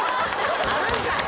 「あるんかい！」